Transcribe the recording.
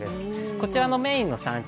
こちらのメインの産地